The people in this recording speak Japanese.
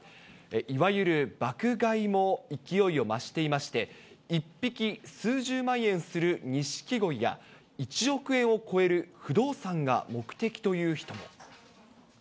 いわゆる爆買いも勢いを増していまして、１匹数十万円するニシキゴイや、１億円を超える不動産が目的という人も。